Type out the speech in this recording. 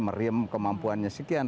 meriem kemampuannya sekian